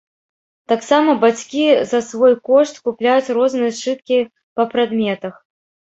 Таксама бацькі за свой кошт купляюць розныя сшыткі па прадметах.